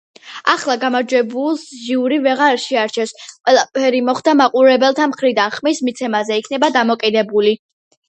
ახლა გამარჯვებულს ჟიური ვეღარ შეარჩევს. ყველაფერი მხოლოდ მაყურებელთა მხრიდან ხმის მიცემაზე იქნება დამოკიდებული.